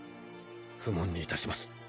不問にいたします。